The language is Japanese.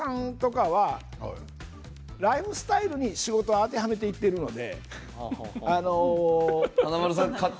華丸さんとかはライフスタイルを仕事にあてはめていっているので。